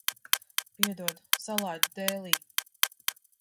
Piedod, salaidu dēlī.